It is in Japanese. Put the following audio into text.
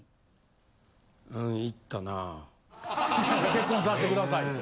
結婚させてくださいと。